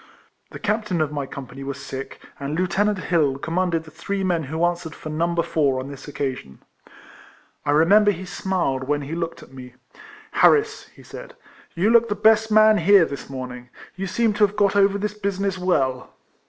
The captain of my company was sick, and Lieutenant Hill commanded the three men who answered for No. 4 on this occa sion. I remember he smiled when he looked at me. " Harris," he said, " you look the best man here, this morning. You seem to have got over this business well."